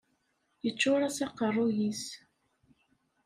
Yeččur-as aqerruy-is.